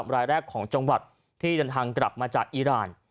รายแรกของจังหวัดที่เดินทางกลับมาจากอีราน